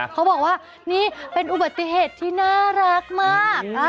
เขาบอกว่านี่เป็นอุบัติเหตุที่น่ารักมาก